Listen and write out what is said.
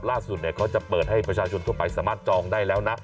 ล่าสุดเนี่ยเขาจะเปิดให้ประชาชนทั่วไปสามารถจองได้แล้วนะ